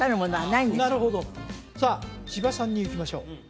なるほどさあ千葉さんにいきましょう